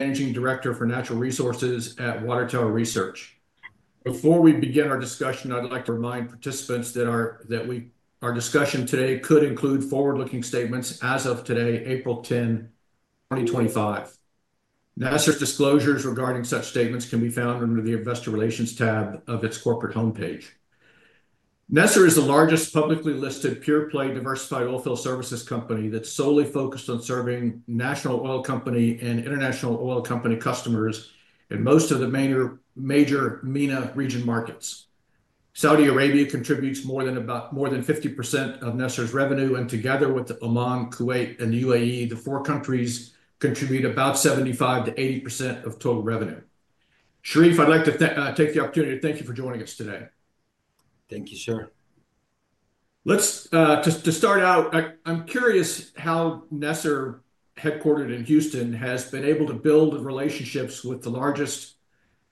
Managing Director for Natural Resources at Water Tower Research. Before we begin our discussion, I'd like to remind participants that our discussion today could include forward-looking statements as of today, April 10, 2025. NESR's disclosures regarding such statements can be found under the Investor Relations tab of its corporate homepage. NESR is the largest publicly listed pure-play diversified oilfield services company that's solely focused on serving national oil company and international oil company customers in most of the major MENA region markets. Saudi Arabia contributes more than 50% of NESR's revenue, and together with Oman, Kuwait, and the UAE, the four countries contribute about 75%-80% of total revenue. Sherif, I'd like to take the opportunity to thank you for joining us today. Thank you, sir. Let's start out. I'm curious how NESR, headquartered in Houston, has been able to build relationships with the largest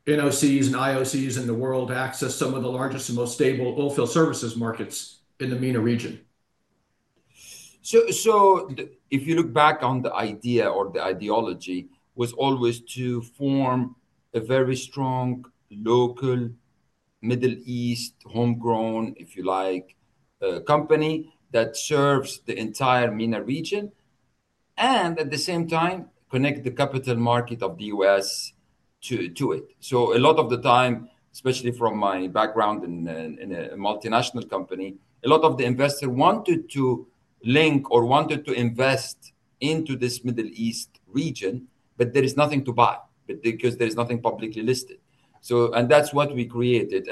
NOCs and IOCs in the world to access some of the largest and most stable oilfield services markets in the MENA region. If you look back on the idea or the ideology, it was always to form a very strong local, Middle East, homegrown, if you like, company that serves the entire MENA region and, at the same time, connect the capital market of the U.S. to it. A lot of the time, especially from my background in a multinational company, a lot of the investors wanted to link or wanted to invest into this Middle East region, but there is nothing to buy because there is nothing publicly listed. That is what we created.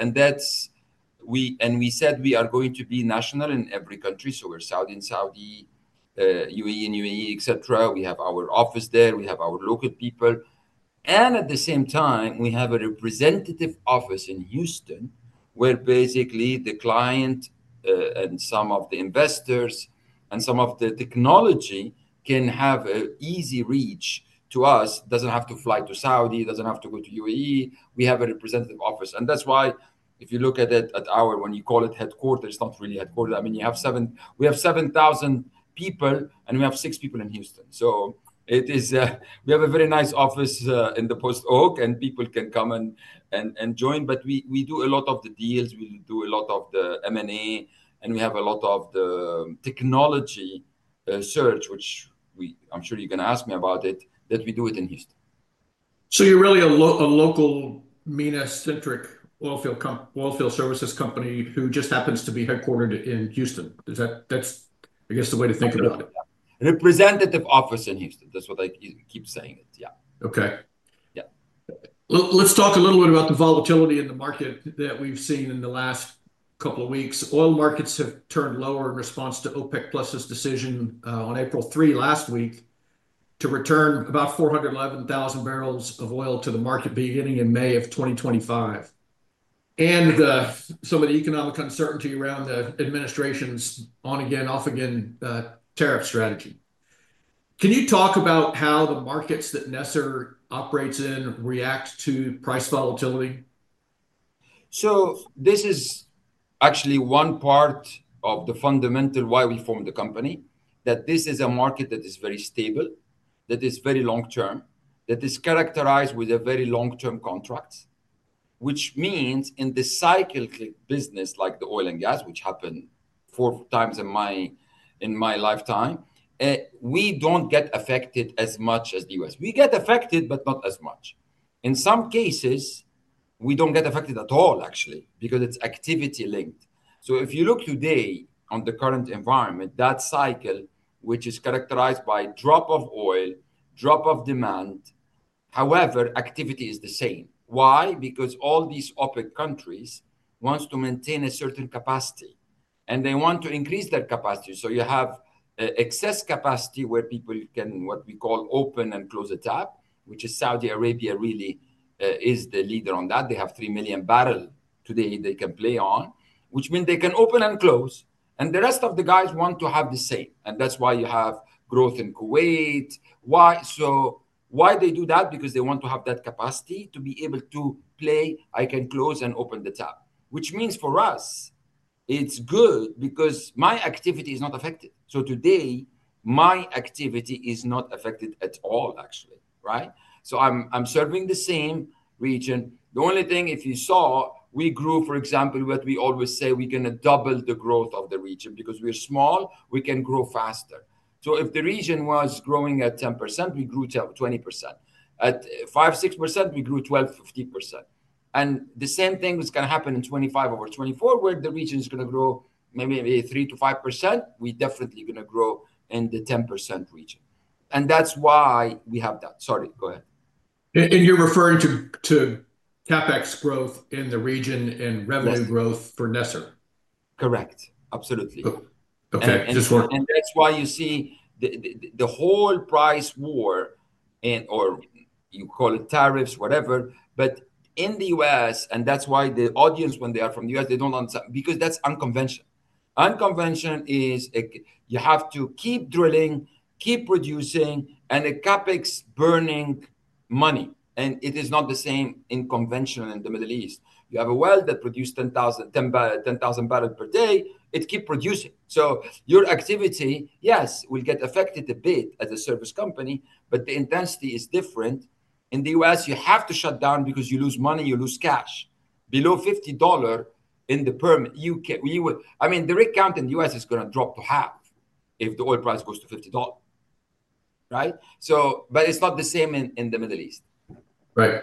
We said we are going to be national in every country. We are Saudi in Saudi, UAE in UAE, et cetera. We have our office there. We have our local people. At the same time, we have a representative office in Houston where basically the client and some of the investors and some of the technology can have an easy reach to us. It does not have to fly to Saudi. It does not have to go to UAE. We have a representative office. That is why if you look at it at our, when you call it headquarters, it is not really headquarters. I mean, we have 7,000 people, and we have six people in Houston. We have a very nice office in The Post Oak, and people can come and join. We do a lot of the deals. We do a lot of the M&A, and we have a lot of the technology search, which I am sure you are going to ask me about it, that we do in Houston. You're really a local MENA-centric oilfield services company who just happens to be headquartered in Houston. That's, I guess, the way to think about it. Yeah. Representative office in Houston. That's what I keep saying it. Yeah. Okay. Yeah. Let's talk a little bit about the volatility in the market that we've seen in the last couple of weeks. Oil markets have turned lower in response to OPEC+'s decision on April 3 last week to return about 411,000 barrels of oil to the market beginning in May of 2025 and some of the economic uncertainty around the administration's on-again, off-again tariff strategy. Can you talk about how the markets that NESR operates in react to price volatility? This is actually one part of the fundamental why we formed the company, that this is a market that is very stable, that is very long-term, that is characterized with very long-term contracts, which means in the cyclical business like the oil and gas, which happened four times in my lifetime, we don't get affected as much as the U.S. We get affected, but not as much. In some cases, we don't get affected at all, actually, because it's activity-linked. If you look today on the current environment, that cycle, which is characterized by drop of oil, drop of demand, however, activity is the same. Why? Because all these OPEC countries want to maintain a certain capacity, and they want to increase their capacity. You have excess capacity where people can, what we call, open and close a tap, which is Saudi Arabia really is the leader on that. They have 3 million barrels today they can play on, which means they can open and close, and the rest of the guys want to have the same. That is why you have growth in Kuwait. Why do they do that? Because they want to have that capacity to be able to play. I can close and open the tap, which means for us, it is good because my activity is not affected. Today, my activity is not affected at all, actually, right? I am serving the same region. The only thing, if you saw, we grew, for example, what we always say, we are going to double the growth of the region because we are small. We can grow faster. If the region was growing at 10%, we grew 20%. At 5%-6%, we grew 12%-15%. The same thing is going to happen in 2025 over 2024, where the region is going to grow maybe 3%-5%. We're definitely going to grow in the 10% region. That's why we have that. Sorry, go ahead. You're referring to CapEx growth in the region and revenue growth for NESR. Correct. Absolutely. Okay. Just work. That is why you see the whole price war, or you call it tariffs, whatever. In the U.S., that is why the audience, when they are from the U.S., they do not understand because that is unconventional. Unconventional is you have to keep drilling, keep producing, and the CapEx burning money. It is not the same in conventional in the Middle East. You have a well that produced 10,000 barrels per day. It keeps producing. Your activity, yes, will get affected a bit as a service company, but the intensity is different. In the U.S., you have to shut down because you lose money. You lose cash. Below $50 in the Perm, I mean, the rig count in the U.S. is going to drop to half if the oil price goes to $50, right? It is not the same in the Middle East. Right.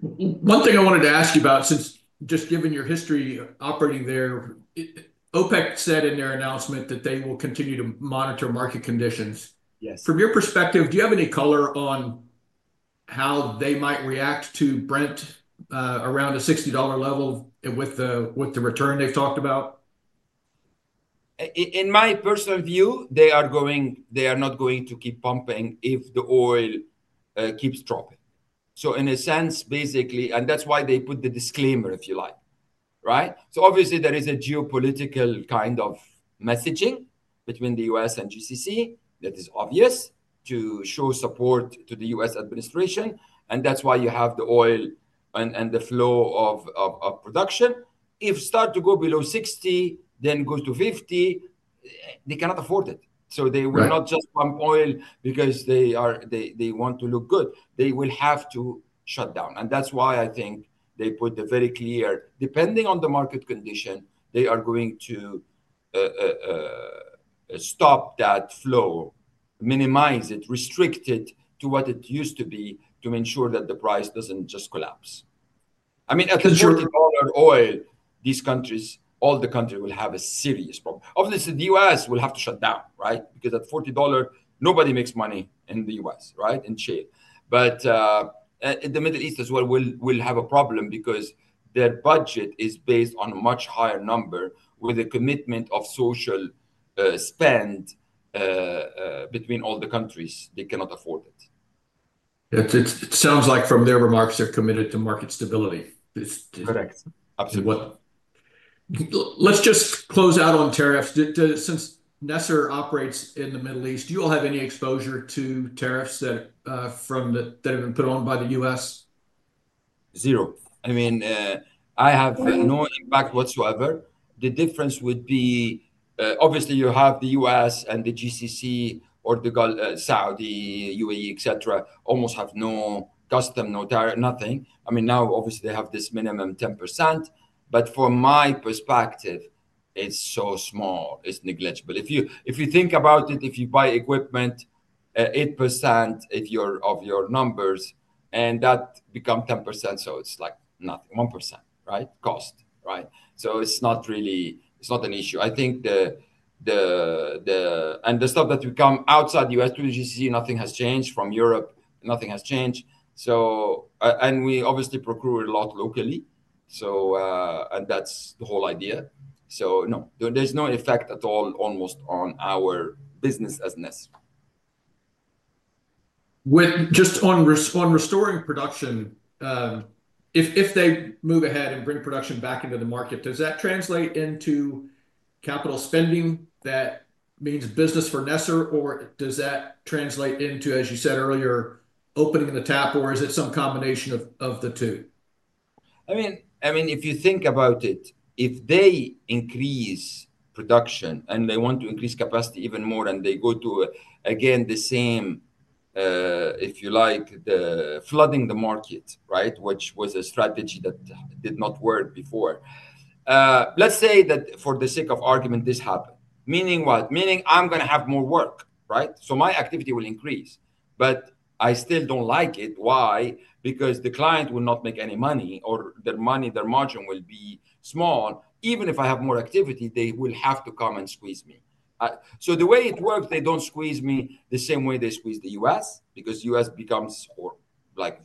One thing I wanted to ask you about, since just given your history operating there, OPEC said in their announcement that they will continue to monitor market conditions. Yes. From your perspective, do you have any color on how they might react to Brent around a $60 level with the return they've talked about? In my personal view, they are not going to keep pumping if the oil keeps dropping. In a sense, basically, and that's why they put the disclaimer, if you like, right? Obviously, there is a geopolitical kind of messaging between the U.S. and GCC that is obvious to show support to the U.S. administration. That's why you have the oil and the flow of production. If it starts to go below $60, then goes to $50, they cannot afford it. They will not just pump oil because they want to look good. They will have to shut down. That's why I think they put a very clear, depending on the market condition, they are going to stop that flow, minimize it, restrict it to what it used to be to ensure that the price does not just collapse. I mean, at $40 oil, these countries, all the countries will have a serious problem. Obviously, the U.S. will have to shut down, right? Because at $40, nobody makes money in the U.S., right? In shale. In the Middle East as well, we'll have a problem because their budget is based on a much higher number with a commitment of social spend between all the countries. They cannot afford it. It sounds like from their remarks, they're committed to market stability. Correct. Let's just close out on tariffs. Since NESR operates in the Middle East, do you all have any exposure to tariffs that have been put on by the U.S.? Zero. I mean, I have no impact whatsoever. The difference would be, obviously, you have the U.S. and the GCC or the Saudi, UAE, et cetera, almost have no customs, no tariff, nothing. I mean, now, obviously, they have this minimum 10%. But from my perspective, it's so small. It's negligible. If you think about it, if you buy equipment, 8% of your numbers, and that becomes 10%. So it's like nothing, 1%, right? Cost, right? It's not really an issue. I think the stuff that we come outside the U.S. through the GCC, nothing has changed. From Europe, nothing has changed. We obviously procure a lot locally. That's the whole idea. No, there's no effect at all almost on our business as NESR. Just on restoring production, if they move ahead and bring production back into the market, does that translate into capital spending? That means business for NESR, or does that translate into, as you said earlier, opening the tap, or is it some combination of the two? I mean, if you think about it, if they increase production and they want to increase capacity even more and they go to, again, the same, if you like, the flooding the market, right, which was a strategy that did not work before. Let's say that for the sake of argument, this happened. Meaning what? Meaning I'm going to have more work, right? My activity will increase. I still don't like it. Why? Because the client will not make any money, or their money, their margin will be small. Even if I have more activity, they will have to come and squeeze me. The way it works, they don't squeeze me the same way they squeeze the U.S. because the U.S. becomes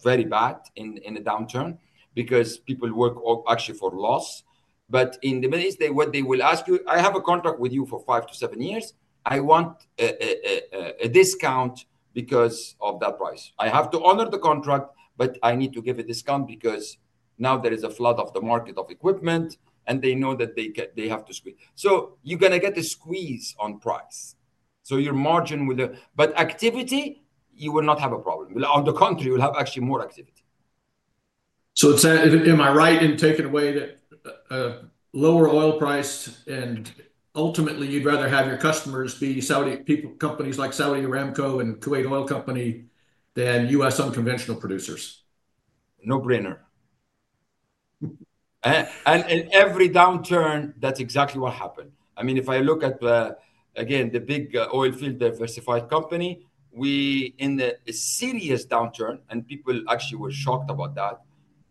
very bad in a downturn because people work actually for loss. In the Middle East, what they will ask you, "I have a contract with you for five to seven years. I want a discount because of that price. I have to honor the contract, but I need to give a discount because now there is a flood of the market of equipment, and they know that they have to squeeze." You're going to get a squeeze on price. Your margin will, but activity, you will not have a problem. On the contrary, you'll have actually more activity. Am I right in taking away that lower oil price and ultimately you'd rather have your customers be companies like Saudi Aramco and Kuwait Oil Company than U.S. unconventional producers? No brainer. And in every downturn, that's exactly what happened. I mean, if I look at, again, the big oilfield diversified company, we in a serious downturn, and people actually were shocked about that.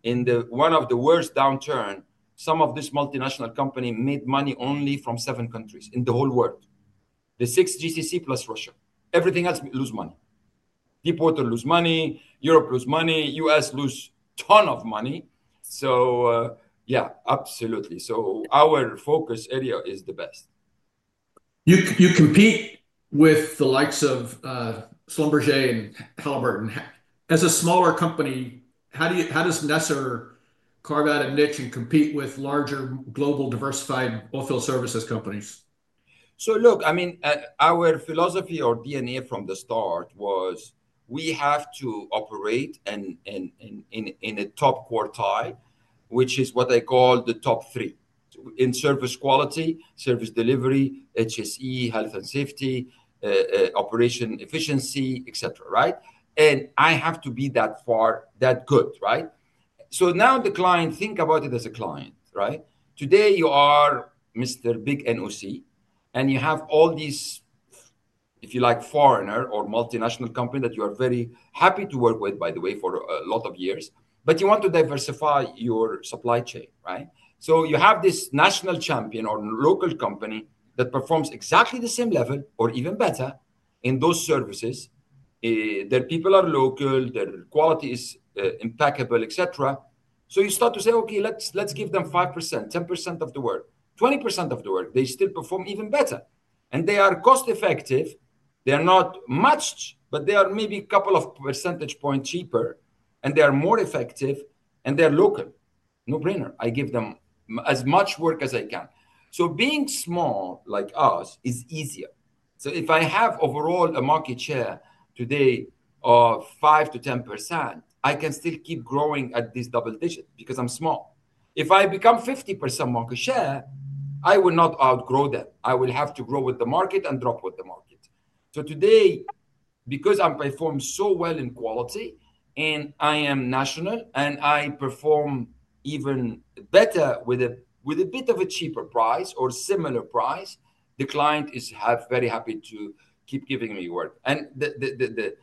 In one of the worst downturns, some of this multinational company made money only from seven countries in the whole world. The six GCC plus Russia. Everything else lose money. Deepwater lose money. Europe lose money. U.S. lose a ton of money. Yeah, absolutely. Our focus area is the best. You compete with the likes of Schlumberger and Halliburton. As a smaller company, how does NESR carve out a niche and compete with larger global diversified oilfield services companies? I mean, our philosophy or DNA from the start was we have to operate in a top quartile, which is what I call the top three in service quality, service delivery, HSE, health and safety, operation efficiency, et cetera, right? I have to be that good, right? Now the client, think about it as a client, right? Today, you are Mr. Big NOC, and you have all these, if you like, foreigner or multinational company that you are very happy to work with, by the way, for a lot of years. You want to diversify your supply chain, right? You have this national champion or local company that performs exactly the same level or even better in those services. Their people are local. Their quality is impeccable, et cetera. You start to say, "Okay, let's give them 5%, 10% of the work, 20% of the work. They still perform even better. They are cost-effective. They are not much, but they are maybe a couple of percentage points cheaper, and they are more effective, and they are local. No brainer. I give them as much work as I can." Being small like us is easier. If I have overall a market share today of 5%-10%, I can still keep growing at this double digit because I'm small. If I become 50% market share, I will not outgrow them. I will have to grow with the market and drop with the market. Today, because I perform so well in quality and I am national and I perform even better with a bit of a cheaper price or similar price, the client is very happy to keep giving me work. The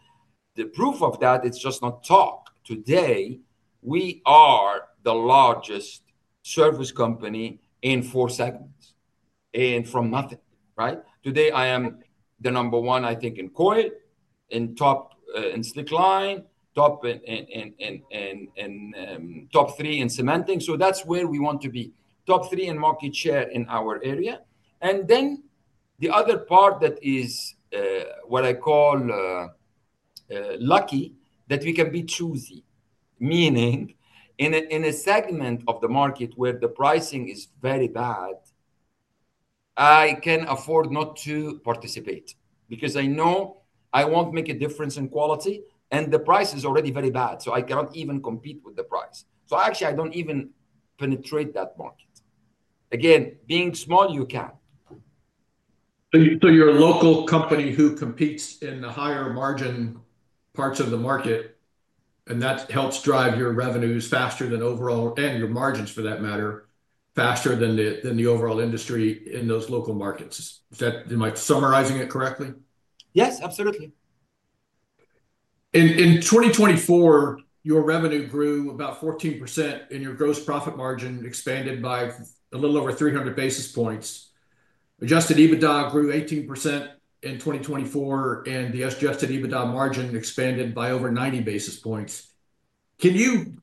proof of that, it's just not talk. Today, we are the largest service company in four segments and from nothing, right? Today, I am the number one, I think, in coil, in slickline, top three in cementing. That's where we want to be. Top three in market share in our area. The other part that is what I call lucky, that we can be choosy, meaning in a segment of the market where the pricing is very bad, I can afford not to participate because I know I won't make a difference in quality and the price is already very bad. I cannot even compete with the price. Actually, I do not even penetrate that market. Again, being small, you can. Your local company who competes in the higher margin parts of the market, and that helps drive your revenues faster than overall and your margins for that matter, faster than the overall industry in those local markets. Am I summarizing it correctly? Yes, absolutely. In 2024, your revenue grew about 14% and your gross profit margin expanded by a little over 300 basis points. Adjusted EBITDA grew 18% in 2024, and the adjusted EBITDA margin expanded by over 90 basis points. Can you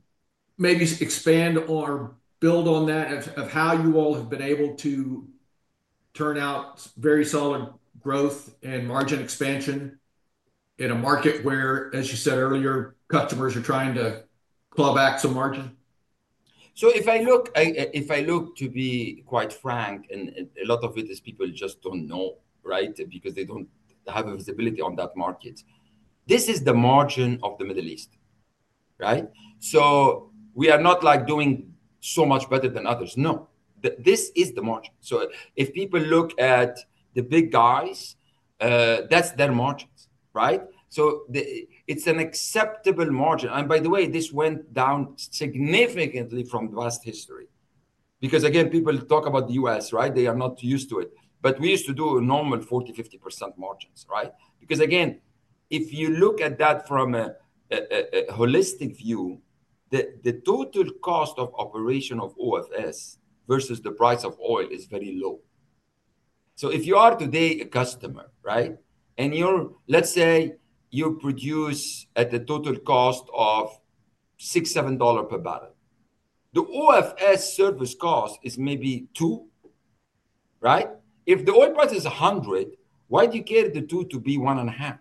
maybe expand or build on that of how you all have been able to turn out very solid growth and margin expansion in a market where, as you said earlier, customers are trying to claw back some margin? If I look to be quite frank, and a lot of it is people just don't know, right, because they don't have visibility on that market. This is the margin of the Middle East, right? We are not like doing so much better than others. No. This is the margin. If people look at the big guys, that's their margins, right? It's an acceptable margin. By the way, this went down significantly from the vast history. Because again, people talk about the U.S., right? They are not used to it. We used to do normal 40%-50% margins, right? Because again, if you look at that from a holistic view, the total cost of operation of OFS versus the price of oil is very low. If you are today a customer, right, and let's say you produce at a total cost of $6, $7 per barrel, the OFS service cost is maybe two, right? If the oil price is 100, why do you care the two to be one and a half?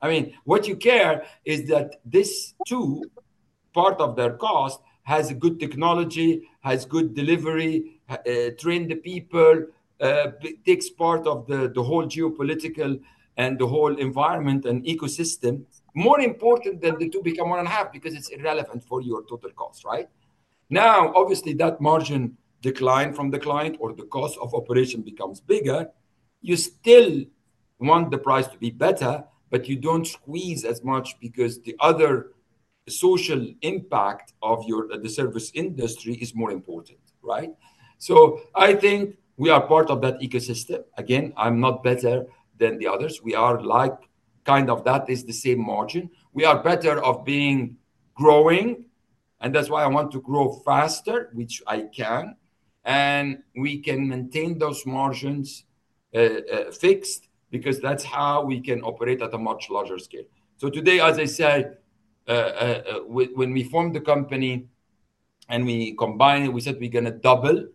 I mean, what you care is that this two part of their cost has good technology, has good delivery, trained the people, takes part of the whole geopolitical and the whole environment and ecosystem, more important than the two become one and a half because it's irrelevant for your total cost, right? Now, obviously, that margin decline from the client or the cost of operation becomes bigger. You still want the price to be better, but you don't squeeze as much because the other social impact of the service industry is more important, right? I think we are part of that ecosystem. Again, I'm not better than the others. We are like kind of that is the same margin. We are better of being growing. That's why I want to grow faster, which I can. We can maintain those margins fixed because that's how we can operate at a much larger scale. Today, as I said, when we formed the company and we combined, we said we're going to double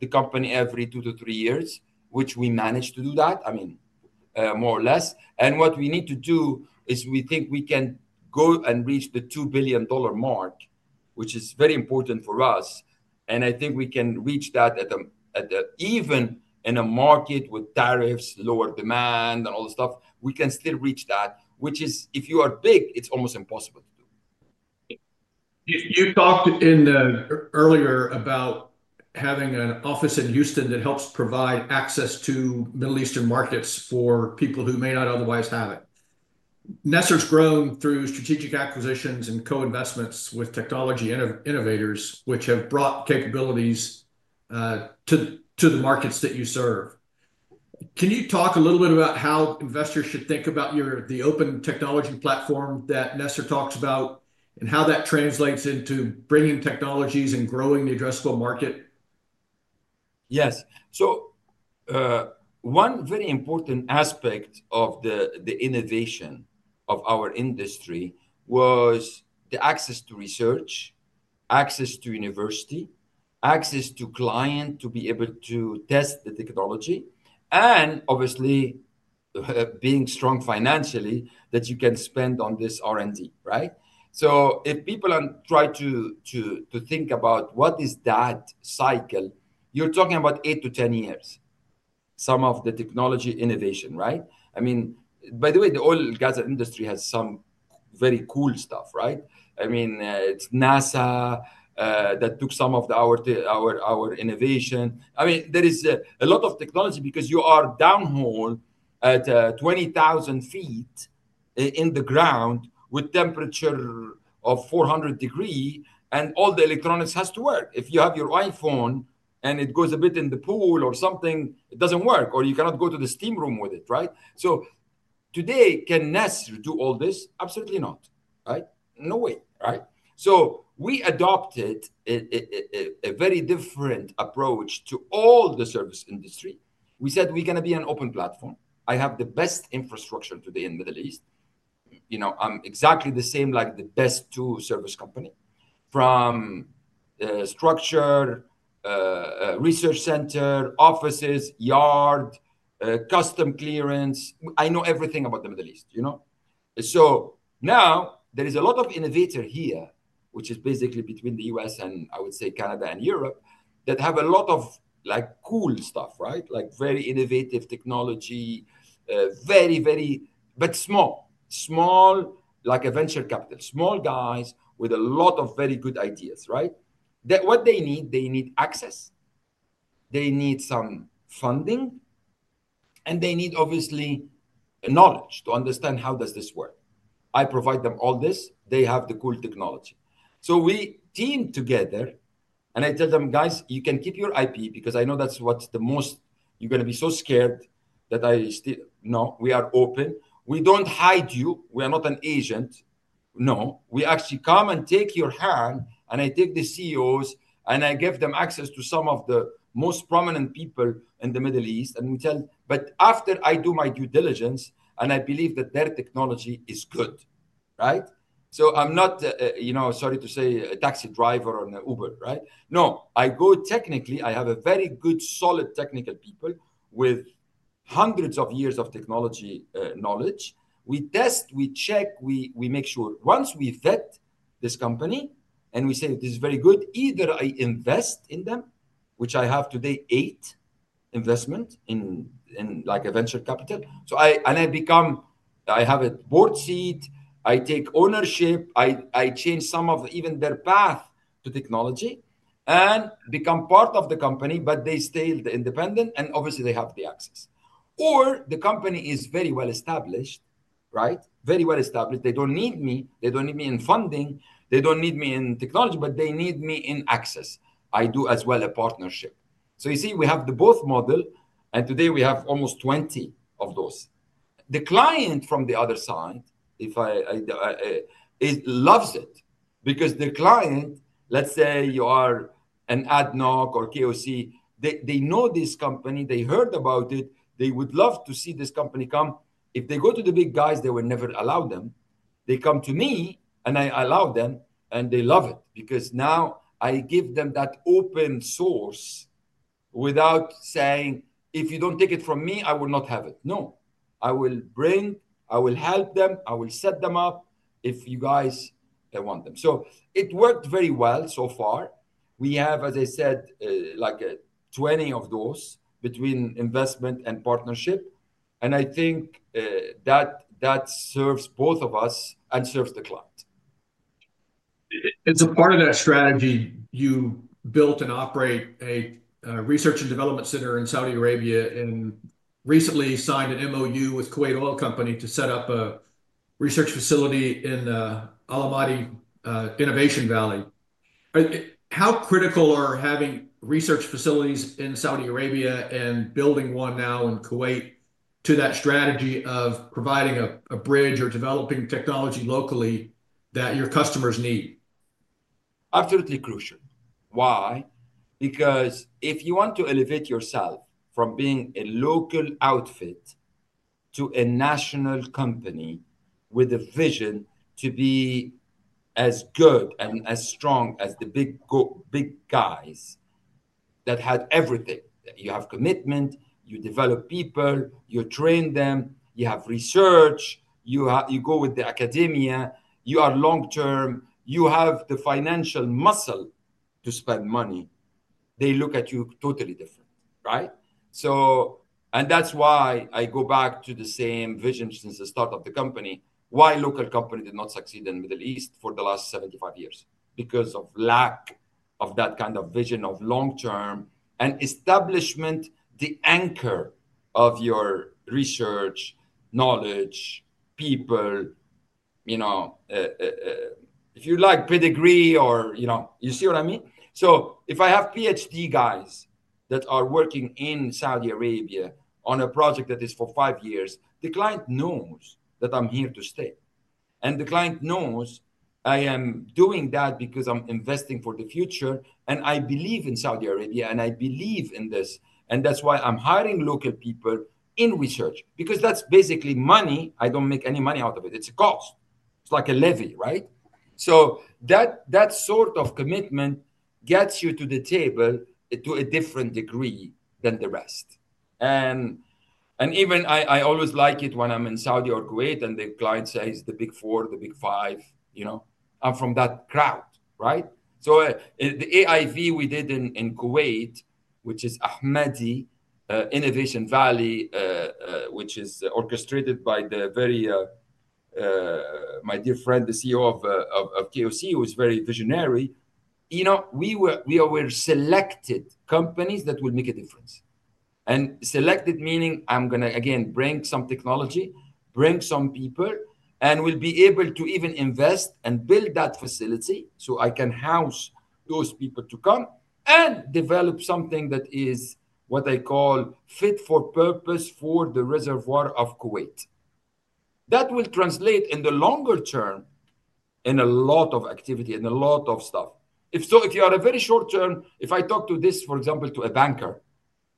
the company every two to three years, which we managed to do that, I mean, more or less. What we need to do is we think we can go and reach the $2 billion mark, which is very important for us. I think we can reach that even in a market with tariffs, lower demand, and all this stuff. We can still reach that, which is if you are big, it's almost impossible to do. You talked earlier about having an office in Houston that helps provide access to Middle Eastern markets for people who may not otherwise have it. NESR's grown through strategic acquisitions and co-investments with technology innovators, which have brought capabilities to the markets that you serve. Can you talk a little bit about how investors should think about the open technology platform that NESR talks about and how that translates into bringing technologies and growing the addressable market? Yes. One very important aspect of the innovation of our industry was the access to research, access to university, access to client to be able to test the technology, and obviously being strong financially that you can spend on this R&D, right? If people try to think about what is that cycle, you're talking about 8-10 years. Some of the technology innovation, right? I mean, by the way, the oil and gas industry has some very cool stuff, right? I mean, it's NASA that took some of our innovation. There is a lot of technology because you are downhole at 20,000 feet in the ground with temperature of 400 degrees, and all the electronics has to work. If you have your iPhone and it goes a bit in the pool or something, it doesn't work, or you cannot go to the steam room with it, right? Today, can NESR do all this? Absolutely not, right? No way, right? We adopted a very different approach to all the service industry. We said we're going to be an open platform. I have the best infrastructure today in the Middle East. I'm exactly the same, like the best two service company from structure, research center, offices, yard, customs clearance. I know everything about the Middle East. Now there is a lot of innovator here, which is basically between the U.S. and I would say Canada and Europe that have a lot of cool stuff, right? Like very innovative technology, very, very, but small, small like a venture capital, small guys with a lot of very good ideas, right? What they need, they need access. They need some funding, and they need obviously knowledge to understand how does this work. I provide them all this. They have the cool technology. We team together, and I tell them, "Guys, you can keep your IP because I know that's what the most you're going to be so scared that I still no, we are open. We don't hide you. We are not an agent. No, we actually come and take your hand, and I take the CEOs, and I give them access to some of the most prominent people in the Middle East." We tell, "After I do my due diligence, and I believe that their technology is good," right? I'm not, sorry to say, a taxi driver on Uber, right? No, I go technically, I have very good solid technical people with hundreds of years of technology knowledge. We test, we check, we make sure. Once we vet this company and we say this is very good, either I invest in them, which I have today eight investment in like a venture capital. I become, I have a board seat. I take ownership. I change some of even their path to technology and become part of the company, but they stay independent. Obviously, they have the access. The company is very well established, right? Very well established. They do not need me. They do not need me in funding. They do not need me in technology, but they need me in access. I do as well a partnership. You see, we have the both model, and today we have almost 20 of those. The client from the other side, if I loves it because the client, let's say you are an ADNOC or KOC, they know this company. They heard about it. They would love to see this company come. If they go to the big guys, they will never allow them. They come to me, and I allow them, and they love it because now I give them that open source without saying, "If you don't take it from me, I will not have it." No, I will bring, I will help them. I will set them up if you guys want them. It worked very well so far. We have, as I said, like 20 of those between investment and partnership. I think that serves both of us and serves the client. As a part of that strategy, you built and operate a research and development center in Saudi Arabia and recently signed an MoU with Kuwait Oil Company to set up a research facility in Ahmadi Innovation Valley. How critical are having research facilities in Saudi Arabia and building one now in Kuwait to that strategy of providing a bridge or developing technology locally that your customers need? Absolutely crucial. Why? Because if you want to elevate yourself from being a local outfit to a national company with a vision to be as good and as strong as the big guys that had everything, you have commitment, you develop people, you train them, you have research, you go with the academia, you are long term, you have the financial muscle to spend money, they look at you totally different, right? That is why I go back to the same vision since the start of the company, why local company did not succeed in the Middle East for the last 75 years? Because of lack of that kind of vision of long term and establishment, the anchor of your research, knowledge, people, if you like pedigree or you see what I mean? If I have PhD guys that are working in Saudi Arabia on a project that is for five years, the client knows that I'm here to stay. The client knows I am doing that because I'm investing for the future, and I believe in Saudi Arabia, and I believe in this. That's why I'm hiring local people in research because that's basically money. I don't make any money out of it. It's a cost. It's like a levy, right? That sort of commitment gets you to the table to a different degree than the rest. I always like it when I'm in Saudi or Kuwait and the client says the big four, the big five, I'm from that crowd, right? The AIV we did in Kuwait, which is Ahmadi Innovation Valley, which is orchestrated by my dear friend, the CEO of KOC, who is very visionary. We were selected companies that will make a difference. Selected meaning I'm going to, again, bring some technology, bring some people, and will be able to even invest and build that facility so I can house those people to come and develop something that is what I call fit for purpose for the reservoir of Kuwait. That will translate in the longer term in a lot of activity and a lot of stuff. If you are very short term, if I talk to this, for example, to a banker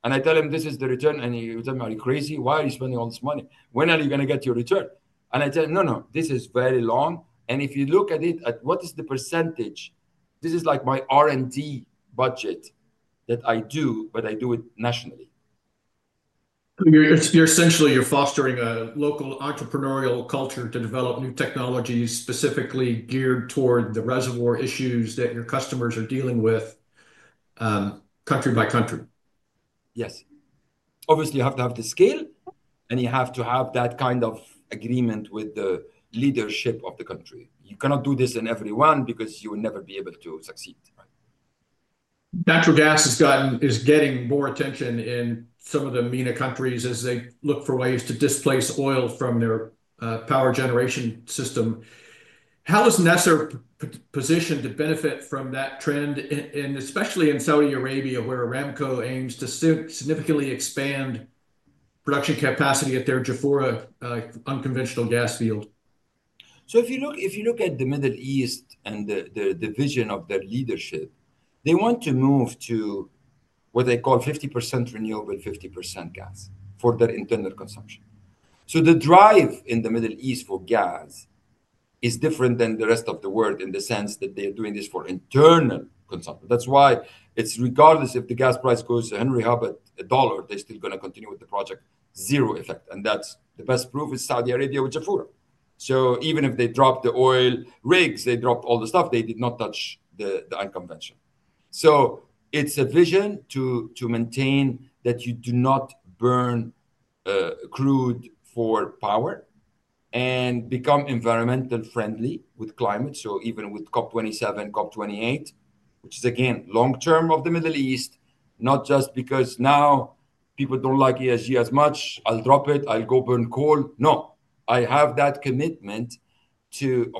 and I tell him this is the return and he tells me, "Are you crazy? Why are you spending all this money? When are you going to get your return?" I tell him, "No, no, this is very long. If you look at it, what is the percentage? This is like my R&D budget that I do, but I do it nationally. You're essentially fostering a local entrepreneurial culture to develop new technologies specifically geared toward the reservoir issues that your customers are dealing with country by country. Yes. Obviously, you have to have the skill, and you have to have that kind of agreement with the leadership of the country. You cannot do this in everyone because you will never be able to succeed. Natural gas is getting more attention in some of the MENA countries as they look for ways to displace oil from their power generation system. How is NESR positioned to benefit from that trend, and especially in Saudi Arabia where Aramco aims to significantly expand production capacity at their Jafurah unconventional gas field? If you look at the Middle East and the vision of their leadership, they want to move to what they call 50% renewable, 50% gas for their internal consumption. The drive in the Middle East for gas is different than the rest of the world in the sense that they are doing this for internal consumption. That's why it's regardless if the gas price goes to Henry Hub at a dollar, they're still going to continue with the project, zero effect. The best proof is Saudi Arabia with Jafurah. Even if they dropped the oil rigs, they dropped all the stuff, they did not touch the unconventional. It's a vision to maintain that you do not burn crude for power and become environmentally friendly with climate. Even with COP27, COP28, which is again long term of the Middle East, not just because now people don't like ESG as much, I'll drop it, I'll go burn coal. No, I have that commitment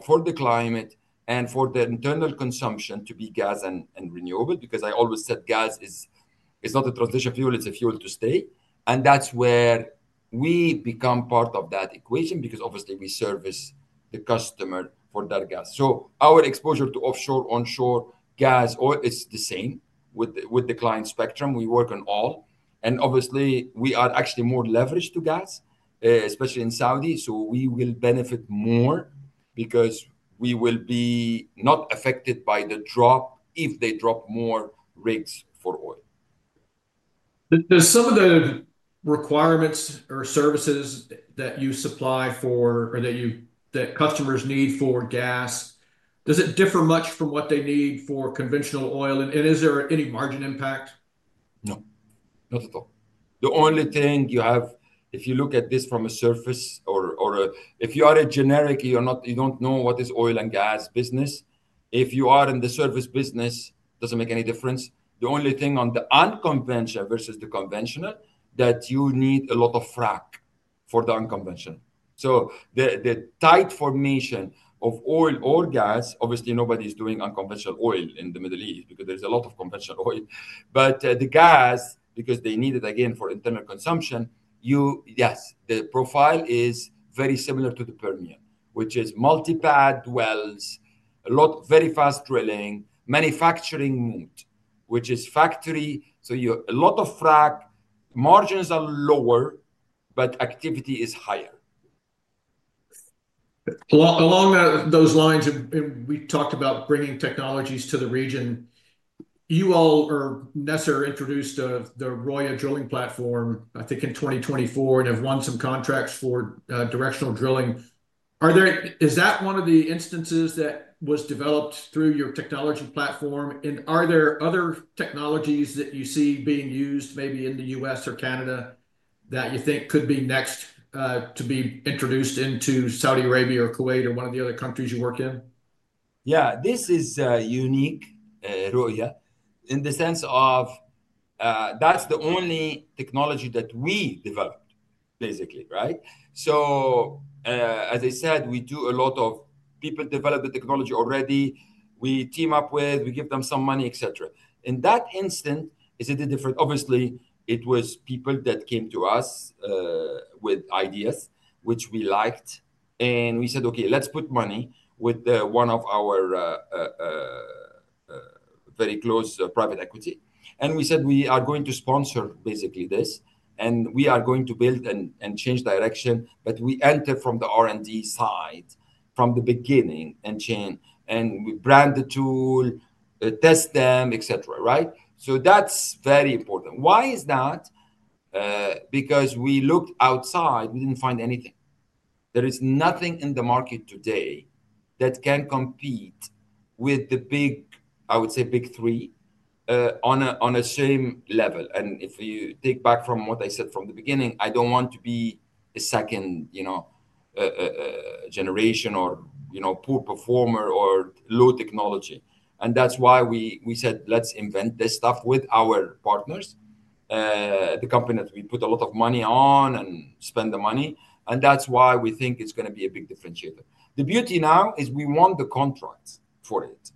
for the climate and for the internal consumption to be gas and renewable because I always said gas is not a transition fuel, it's a fuel to stay. That's where we become part of that equation because obviously we service the customer for that gas. Our exposure to offshore, onshore gas, oil, it's the same with the client spectrum. We work on all. Obviously, we are actually more leveraged to gas, especially in Saudi. We will benefit more because we will be not affected by the drop if they drop more rigs for oil. Does some of the requirements or services that you supply for or that customers need for gas, does it differ much from what they need for conventional oil? Is there any margin impact? No. Not at all. The only thing you have, if you look at this from a surface or if you are a generic, you don't know what is oil and gas business. If you are in the service business, it doesn't make any difference. The only thing on the unconventional versus the conventional that you need a lot of frac for the unconventional. The tight formation of oil or gas, obviously nobody's doing unconventional oil in the Middle East because there's a lot of conventional oil. The gas, because they need it again for internal consumption, yes, the profile is very similar to the Permian, which is multi-pad wells, a lot of very fast drilling, manufacturing mode, which is factory. You have a lot of frac. Margins are lower, but activity is higher. Along those lines, we talked about bringing technologies to the region. You all or NESR introduced the Roya drilling platform, I think in 2024, and have won some contracts for directional drilling. Is that one of the instances that was developed through your technology platform? And are there other technologies that you see being used maybe in the U.S. or Canada that you think could be next to be introduced into Saudi Arabia or Kuwait or one of the other countries you work in? Yeah, this is unique, Roya, in the sense of that's the only technology that we developed, basically, right? As I said, we do a lot of people develop the technology already. We team up with, we give them some money, et cetera. In that instance, is it a different? Obviously, it was people that came to us with ideas, which we liked. We said, "Okay, let's put money with one of our very close private equity." We said, "We are going to sponsor basically this, and we are going to build and change direction." We entered from the R&D side from the beginning and brand the tool, test them, et cetera, right? That's very important. Why is that? Because we looked outside, we didn't find anything. There is nothing in the market today that can compete with the big, I would say big three on the same level. If you take back from what I said from the beginning, I do not want to be a second generation or poor performer or low technology. That is why we said, "Let's invent this stuff with our partners, the company that we put a lot of money on and spend the money." That is why we think it is going to be a big differentiator. The beauty now is we want the contracts for it.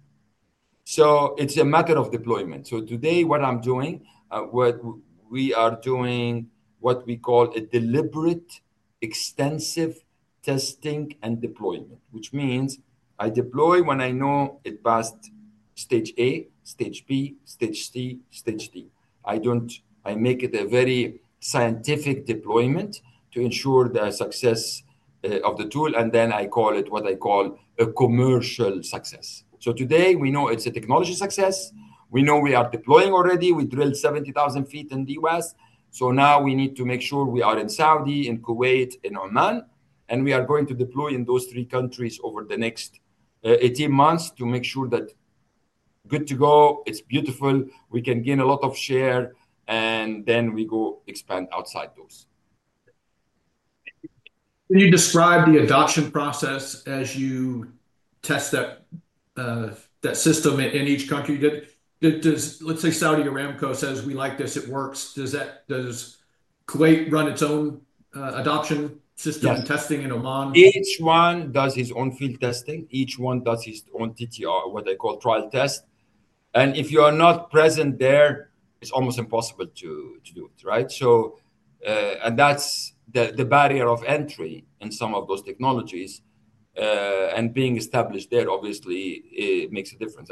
It is a matter of deployment. Today what I am doing, we are doing what we call a deliberate extensive testing and deployment, which means I deploy when I know it passed stage A, stage B, stage C, stage D. I make it a very scientific deployment to ensure the success of the tool. I call it what I call a commercial success. Today we know it's a technology success. We know we are deploying already. We drilled 70,000 ft in the U.S. Now we need to make sure we are in Saudi, in Kuwait, in Oman. We are going to deploy in those three countries over the next 18 months to make sure that good to go, it's beautiful, we can gain a lot of share, and then we go expand outside those. Can you describe the adoption process as you test that system in each country? Let's say Saudi Aramco says, "We like this, it works." Does Kuwait run its own adoption system and testing in Oman? Each one does his own field testing. Each one does his own TTR, what I call trial test. If you are not present there, it's almost impossible to do it, right? That's the barrier of entry in some of those technologies. Being established there, obviously, makes a difference.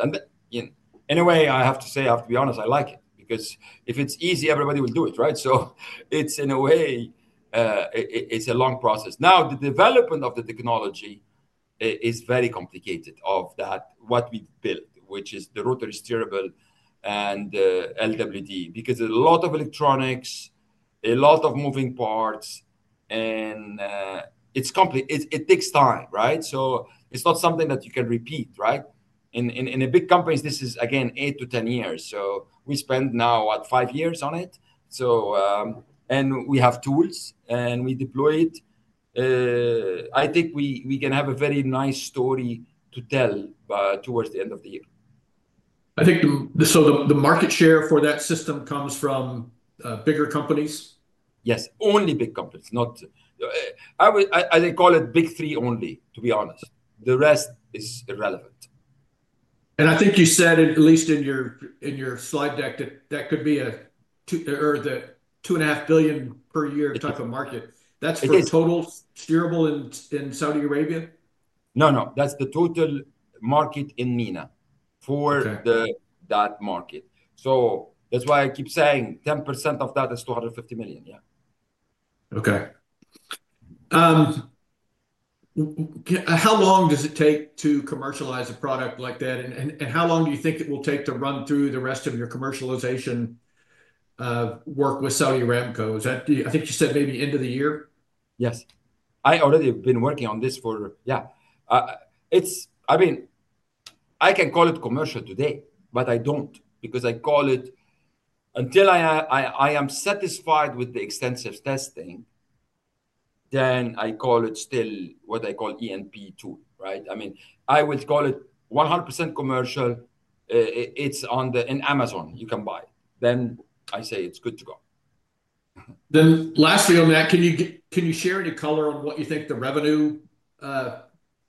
In a way, I have to say, I have to be honest, I like it because if it's easy, everybody will do it, right? In a way, it's a long process. Now, the development of the technology is very complicated, what we built, which is the rotary steerable and LWD, because there's a lot of electronics, a lot of moving parts, and it takes time, right? It's not something that you can repeat, right? In big companies, this is again, 8-10 years. We spend now, what, five years on it. We have tools and we deploy it. I think we can have a very nice story to tell towards the end of the year. I think so the market share for that system comes from bigger companies? Yes, only big companies. I call it big three only, to be honest. The rest is irrelevant. I think you said at least in your slide deck that that could be a $2 billion or the $2.5 billion per year type of market. That's for total steerable in Saudi Arabia? No, no. That's the total market in MENA for that market. That's why I keep saying 10% of that is $250 million, yeah. Okay. How long does it take to commercialize a product like that? How long do you think it will take to run through the rest of your commercialization work with Saudi Aramco? I think you said maybe end of the year? Yes. I already have been working on this for, yeah. I mean, I can call it commercial today, but I don't because I call it until I am satisfied with the extensive testing, then I call it still what I call E&P tool, right? I mean, I would call it 100% commercial. It's on Amazon, you can buy. Then I say it's good to go. Lastly on that, can you share any color on what you think the revenue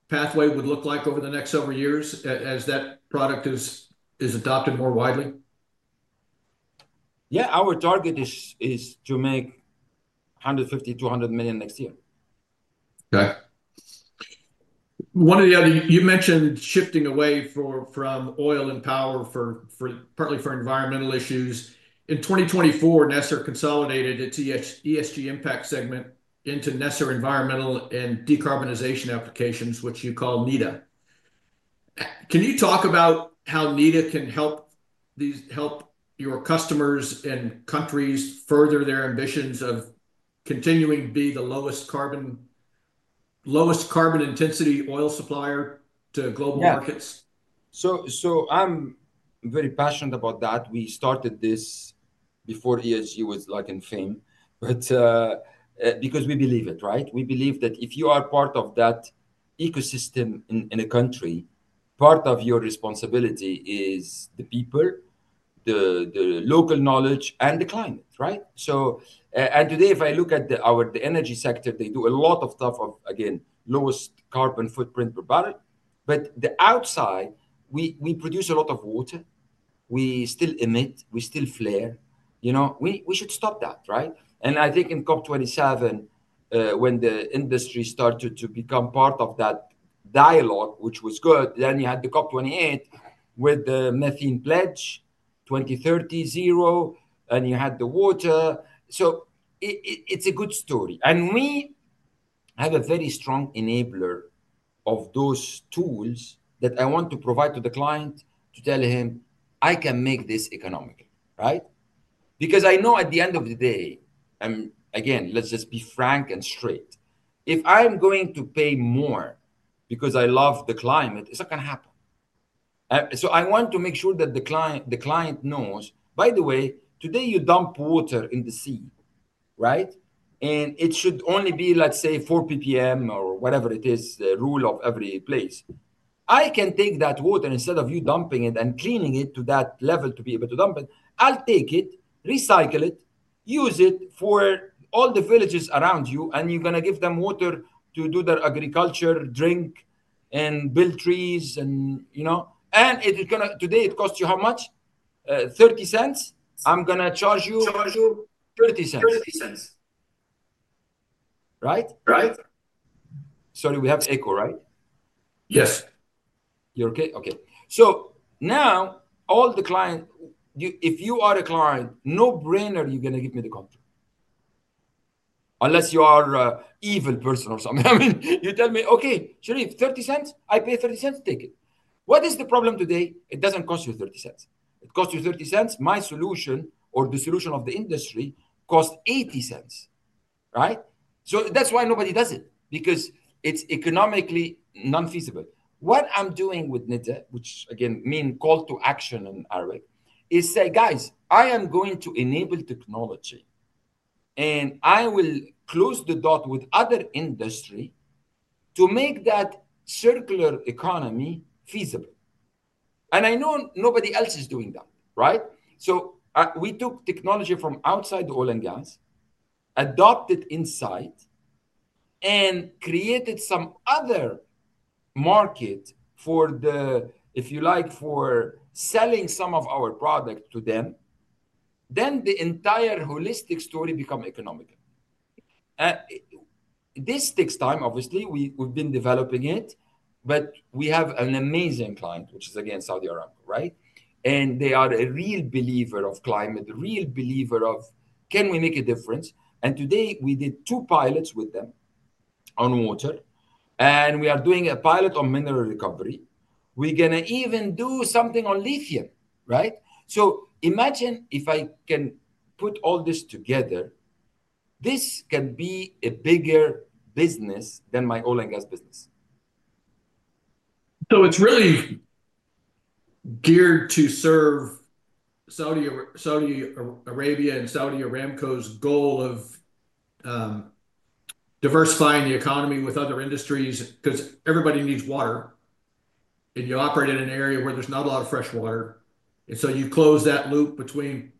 pathway would look like over the next several years as that product is adopted more widely? Yeah, our target is to make $150 million-$200 million next year. Okay. One of the other, you mentioned shifting away from oil and power partly for environmental issues. In 2024, NESR consolidated its ESG impact segment into NESR Environmental and Decarbonization Applications, which you call NEDA. Can you talk about how NEDA can help your customers and countries further their ambitions of continuing to be the lowest carbon intensity oil supplier to global markets? Yeah. I am very passionate about that. We started this before ESG was in fame, because we believe it, right? We believe that if you are part of that ecosystem in a country, part of your responsibility is the people, the local knowledge, and the climate, right? Today, if I look at the energy sector, they do a lot of stuff of, again, lowest carbon footprint per barrel. Outside, we produce a lot of water. We still emit. We still flare. We should stop that, right? I think in COP27, when the industry started to become part of that dialogue, which was good, you had the COP28 with the methane pledge, 2030 zero, and you had the water. It is a good story. We have a very strong enabler of those tools that I want to provide to the client to tell him, "I can make this economically," right? Because I know at the end of the day, and again, let's just be frank and straight, if I'm going to pay more because I love the climate, it's not going to happen. I want to make sure that the client knows, by the way, today you dump water in the sea, right? It should only be, let's say, 4 PPM or whatever it is, the rule of every place. I can take that water instead of you dumping it and cleaning it to that level to be able to dump it. I'll take it, recycle it, use it for all the villages around you, and you're going to give them water to do their agriculture, drink, and build trees. Today it costs you how much? $0.30. I'm going to charge you $0.30. 30 cents. Right? Right. Sorry, we have echo, right? Yes. You're okay? Okay. Now all the clients, if you are a client, no brainer, you're going to give me the contract. Unless you are an evil person or something. I mean, you tell me, "Okay, Sherif, 30 cents, I pay 30 cents, take it." What is the problem today? It does not cost you 30 cents. It costs you 30 cents. My solution or the solution of the industry costs 80 cents, right? That is why nobody does it because it is economically non-feasible. What I am doing with NEDA, which again means call to action in Arabic, is say, "Guys, I am going to enable technology, and I will close the dot with other industry to make that circular economy feasible." I know nobody else is doing that, right? We took technology from outside the oil and gas, adopted inside, and created some other market for the, if you like, for selling some of our product to them. The entire holistic story becomes economical. This takes time, obviously. We've been developing it, but we have an amazing client, which is again Saudi Aramco, right? They are a real believer of climate, a real believer of, "Can we make a difference?" Today we did two pilots with them on water. We are doing a pilot on mineral recovery. We're going to even do something on lithium, right? Imagine if I can put all this together, this can be a bigger business than my oil and gas business. It is really geared to serve Saudi Arabia and Saudi Aramco's goal of diversifying the economy with other industries because everybody needs water. You operate in an area where there is not a lot of fresh water. You close that loop between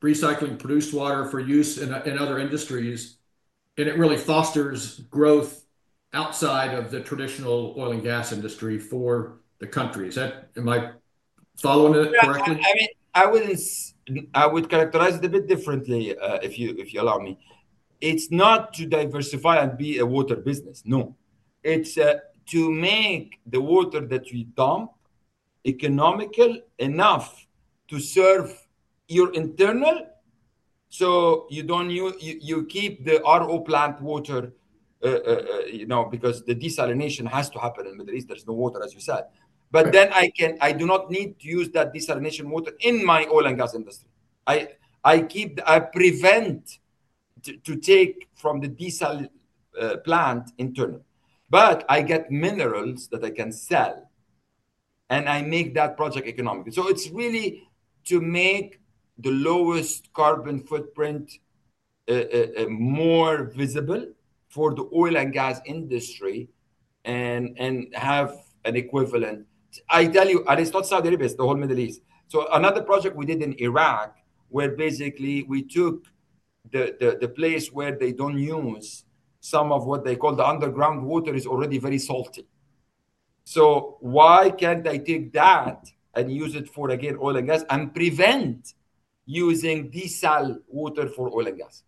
recycling produced water for use in other industries, and it really fosters growth outside of the traditional oil and gas industry for the country. Am I following it correctly? Yeah. I would characterize it a bit differently if you allow me. It's not to diversify and be a water business, no. It's to make the water that we dump economical enough to serve your internal. You keep the RO plant water because the desalination has to happen in the Middle East. There's no water, as you said. I do not need to use that desalination water in my oil and gas industry. I prevent taking from the desalination plant internally. I get minerals that I can sell, and I make that project economical. It's really to make the lowest carbon footprint more visible for the oil and gas industry and have an equivalent. I tell you, it's not Saudi Arabia, it's the whole Middle East. Another project we did in Iraq where basically we took the place where they do not use some of what they call the underground water, which is already very salty. Why cannot I take that and use it for, again, oil and gas and prevent using desalination water for oil and gas?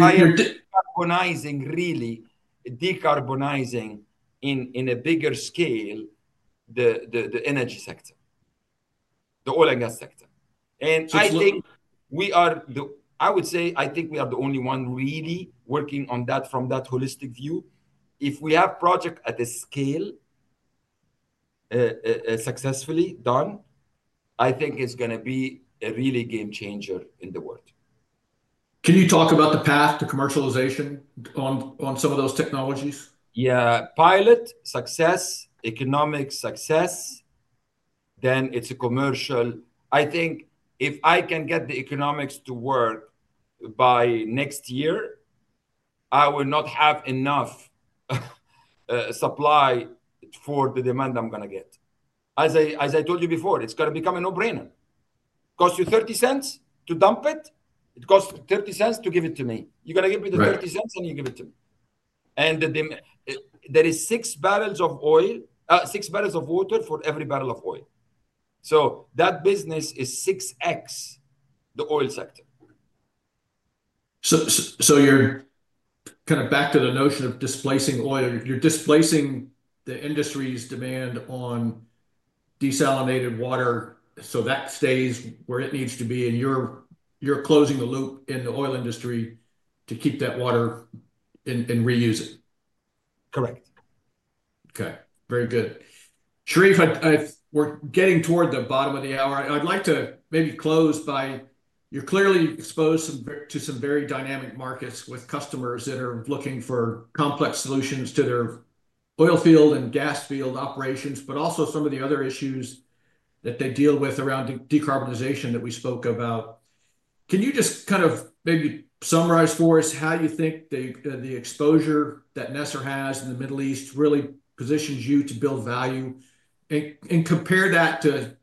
I am decarbonizing, really decarbonizing on a bigger scale the energy sector, the oil and gas sector. I think we are, I would say, I think we are the only one really working on that from that holistic view. If we have a project at a scale, successfully done, I think it is going to be a real game changer in the world. Can you talk about the path to commercialization on some of those technologies? Yeah. Pilot, success, economic success, then it's a commercial. I think if I can get the economics to work by next year, I will not have enough supply for the demand I'm going to get. As I told you before, it's going to become a no-brainer. It costs you $0.30 to dump it. It costs $0.30 to give it to me. You're going to give me the $0.30 and you give it to me. There are six barrels of water for every barrel of oil. That business is 6X the oil sector. You're kind of back to the notion of displacing oil. You're displacing the industry's demand on desalinated water so that stays where it needs to be. And you're closing the loop in the oil industry to keep that water and reuse it. Correct. Okay. Very good. Sherif, we're getting toward the bottom of the hour. I'd like to maybe close by you're clearly exposed to some very dynamic markets with customers that are looking for complex solutions to their oil field and gas field operations, but also some of the other issues that they deal with around decarbonization that we spoke about. Can you just kind of maybe summarize for us how you think the exposure that NESR has in the Middle East really positions you to build value and compare that to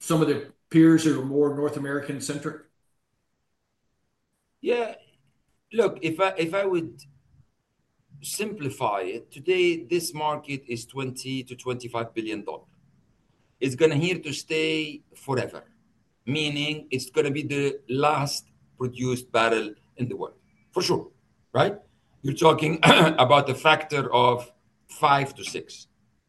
some of the peers who are more North American centric? Yeah. Look, if I would simplify it, today this market is $20 billion-$25 billion. It's going to here to stay forever, meaning it's going to be the last produced barrel in the world, for sure, right? You're talking about a factor of 5-6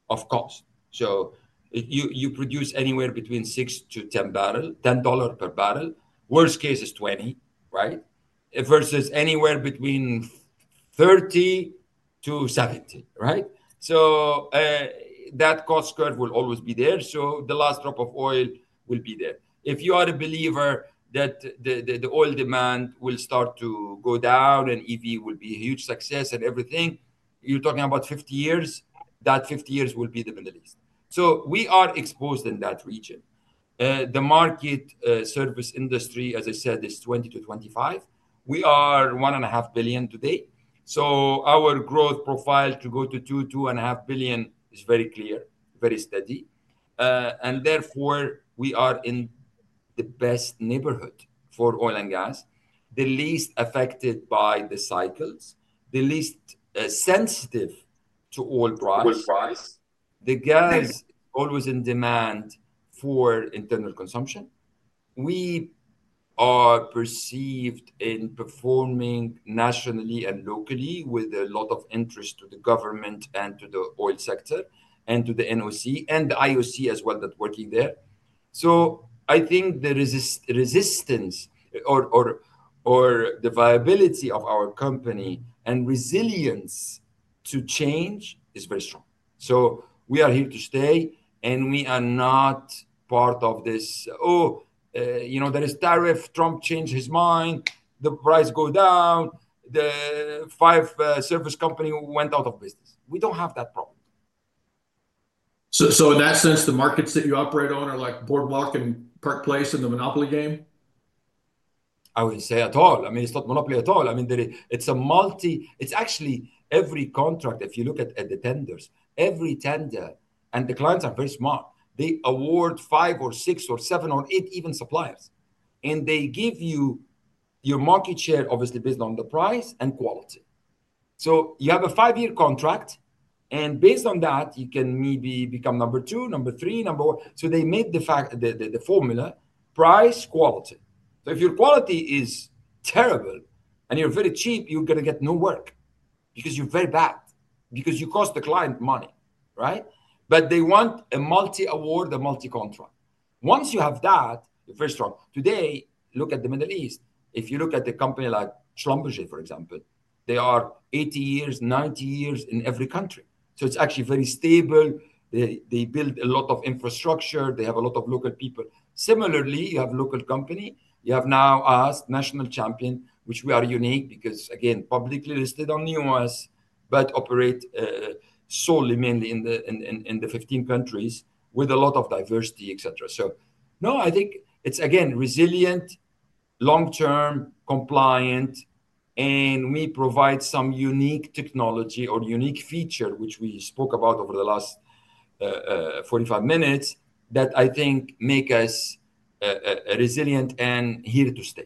of cost. So you produce anywhere between 6-10 barrels, $10 per barrel. Worst case is $20, right? Versus anywhere between $30-$70, right? So that cost curve will always be there. The last drop of oil will be there. If you are a believer that the oil demand will start to go down and EV will be a huge success and everything, you're talking about 50 years. That 50 years will be the Middle East. We are exposed in that region. The market service industry, as I said, is $20 billion-$25 billion. We are $1.5 billion today. Our growth profile to go to $2 billion-$2.5 billion is very clear, very steady. We are in the best neighborhood for oil and gas, the least affected by the cycles, the least sensitive to oil price. Gas is always in demand for internal consumption. We are perceived as performing nationally and locally with a lot of interest to the government and to the oil sector and to the NOC and the IOC as well that's working there. I think the resistance or the viability of our company and resilience to change is very strong. We are here to stay, and we are not part of this, "Oh, you know there is tariff, Trump changed his mind, the price goes down, the five service company went out of business." We do not have that problem. In that sense, the markets that you operate on are like Boardwalk and Park Place in the Monopoly game? I wouldn't say at all. I mean, it's not monopoly at all. I mean, it's a multi—it's actually every contract, if you look at the tenders, every tender, and the clients are very smart. They award five or six or seven or eight even suppliers. They give you your market share, obviously based on the price and quality. You have a five-year contract, and based on that, you can maybe become number two, number three, number one. They made the formula price-quality. If your quality is terrible and you're very cheap, you're going to get no work because you're very bad because you cost the client money, right? They want a multi-award, a multi-contract. Once you have that, you're very strong. Today, look at the Middle East. If you look at a company like Schlumberger, for example, they are 80 years, 90 years in every country. It is actually very stable. They build a lot of infrastructure. They have a lot of local people. Similarly, you have a local company. You have now us, National Champion, which we are unique because, again, publicly listed on the U.S., but operate solely mainly in the 15 countries with a lot of diversity, etc. No, I think it is, again, resilient, long-term, compliant, and we provide some unique technology or unique feature, which we spoke about over the last 45 minutes, that I think makes us resilient and here to stay.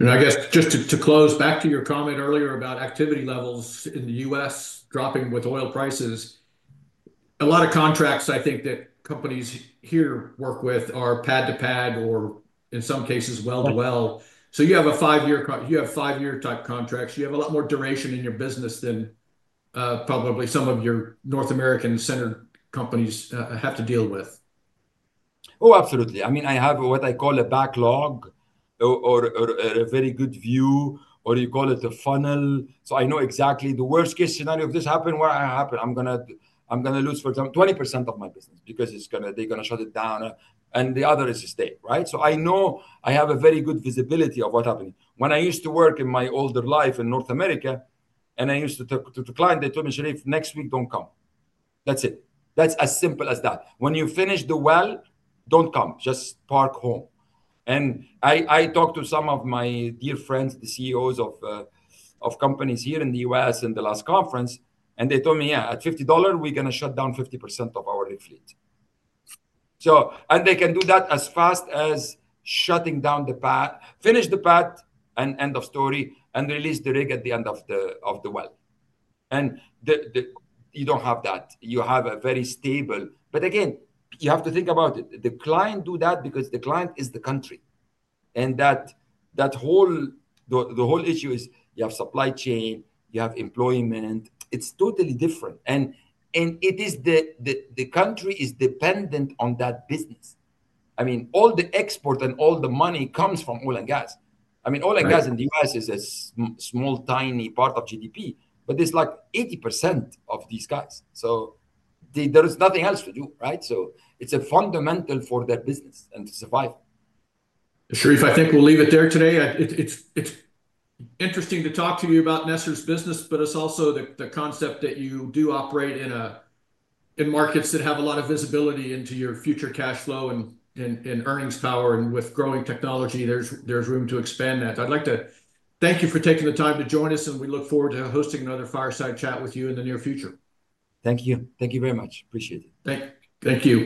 I guess just to close back to your comment earlier about activity levels in the U.S. dropping with oil prices, a lot of contracts I think that companies here work with are pad to pad or in some cases well to well. You have a five-year type contract. You have a lot more duration in your business than probably some of your North American centered companies have to deal with. Oh, absolutely. I mean, I have what I call a backlog or a very good view, or you call it a funnel. I know exactly the worst case scenario if this happened, what happened? I'm going to lose, for example, 20% of my business because they're going to shut it down. The other is to stay, right? I know I have a very good visibility of what's happening. When I used to work in my older life in North America, and I used to talk to the client, they told me, "Sherif, next week don't come." That's it. That's as simple as that. When you finish the well, don't come. Just park home. I talked to some of my dear friends, the CEOs of companies here in the U.S. in the last conference, and they told me, "Yeah, at $50, we're going to shut down 50% of our rig fleet." They can do that as fast as shutting down the pad, finish the pad, and end of story, and release the rig at the end of the well. You do not have that. You have a very stable situation, but again, you have to think about it. The client does that because the client is the country. The whole issue is you have supply chain, you have employment. It's totally different. The country is dependent on that business. I mean, all the export and all the money comes from oil and gas. I mean, oil and gas in the U.S. is a small, tiny part of GDP, but it's like 80% of these guys. There is nothing else to do, right? It is fundamental for their business and to survive. Sherif, I think we'll leave it there today. It's interesting to talk to you about NESR's business, but it's also the concept that you do operate in markets that have a lot of visibility into your future cash flow and earnings power. With growing technology, there's room to expand that. I'd like to thank you for taking the time to join us, and we look forward to hosting another Fireside Chat with you in the near future. Thank you. Thank you very much. Appreciate it. Thank you.